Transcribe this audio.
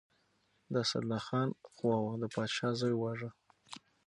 د اسدالله خان قواوو د پادشاه زوی وواژه.